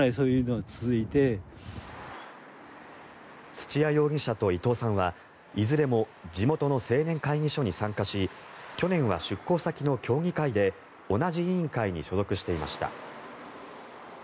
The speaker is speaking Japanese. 土屋容疑者と伊藤さんはいずれも地元の青年会議所に参加し去年は出向先の協議会で同じ委員会に所属していました。